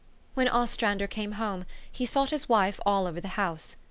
When Ostrander came home, he sought his wife ah 1 over the house.